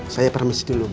saya permisi dulu bu